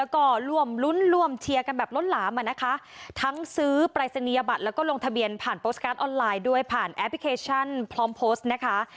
ก็ร่วมรุ้นร่วมเชียร์กันแบบล้นหลามอ่ะนะคะทั้งซื้อปรายศนียบัตรแล้วก็ลงทะเบียนผ่านโพสต์การ์ดออนไลน์ด้วยผ่านแอปพลิเคชันพร้อมโพสต์นะคะ